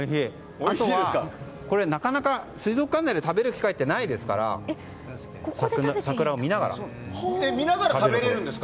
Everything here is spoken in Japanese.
あとは、水族館内で食べる機会はないですから見ながら食べれるんですか？